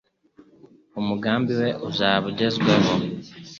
umugambi we uzaba ugezweho